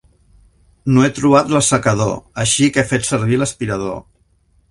No he trobat l'assecador, així que he fet servir l'aspirador.